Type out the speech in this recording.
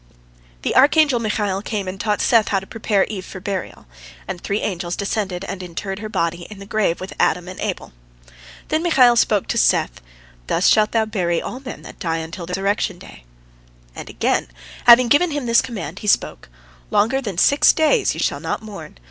The archangel Michael came and taught Seth how to prepare Eve for burial, and three angels descended and interred her body in the grave with Adam and Abel. Then Michael spoke to Seth, "Thus shalt thou bury all men that die until the resurrection day." And again, having given him this command, he spoke: "Longer than six days ye shall not mourn.